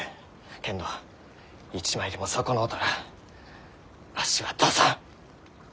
けんど一枚でも損のうたらわしは出さん！